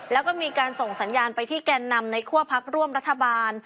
แล้วก็มีการส่งสัญญาณไปที่แกนนำในคั่วพักร่วมรัฐบาล